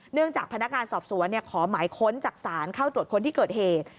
จากพนักงานสอบสวนขอหมายค้นจากศาลเข้าตรวจค้นที่เกิดเหตุ